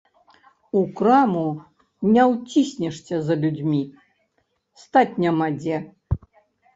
У краму не ўціснешся за людзьмі, стаць няма дзе.